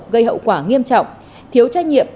gây hậu quả nghiêm trọng thiếu trách nhiệm